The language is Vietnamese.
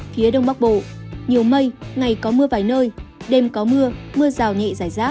phía đông bắc bộ nhiều mây ngày có mưa vài nơi đêm có mưa mưa rào nhẹ giải rác